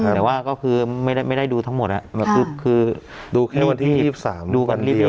แต่ว่าก็คือไม่ได้ไม่ได้ดูทั้งหมดอ่ะคือดูแค่วันที่๒๓วันเดียว